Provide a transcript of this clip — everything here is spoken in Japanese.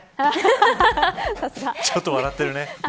ちょっと笑ってるね。